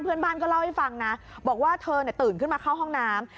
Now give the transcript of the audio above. เพื่อนบ้านก็เล่าให้ฟังนะบอกว่าเธอตื่นขึ้นมาเข้าห้องน้ำ